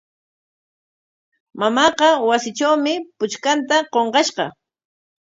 Mamaaqa wasitrawmi puchkanta qunqashqa.